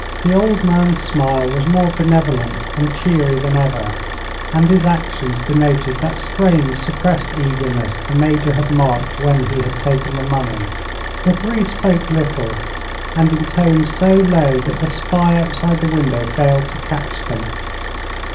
The old man's smile was more benevolent and cheery than ever, and his actions denoted that strange, suppressed eagerness the Major had marked when he had taken the money. The three spoke little, and in tones so low that the spy outside the window failed to catch them.